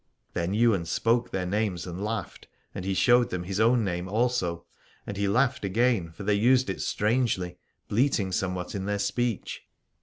Then Ywain spoke their names and laughed and he showed them his own name also : and he laughed again, for they used it strangely, bleating somewhat in their speech.